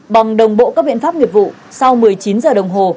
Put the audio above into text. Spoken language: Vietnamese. bằng đồng bộ các biện pháp nghiệp vụ sau một mươi chín giờ đồng hồ